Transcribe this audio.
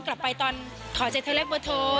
ย้อนกลับไปตอนขอเจ็ดเทอร์แรกเบอร์โทร